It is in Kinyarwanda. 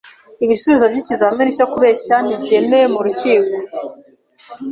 Ibisubizo by'ikizamini cyo kubeshya ntibyemewe mu rukiko.